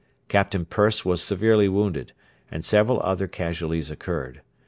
Captain Persse was severely wounded, and several other casualties occurred.